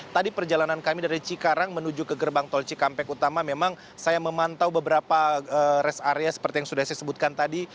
tadi perjalanan kami dari cikarang menuju ke gerbang tol cikampek utama memang saya memantau beberapa rest area seperti yang sudah saya sebutkan tadi